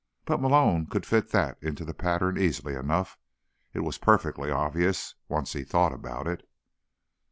But Malone could fit that into the pattern easily enough; it was perfectly obvious, once he thought about it.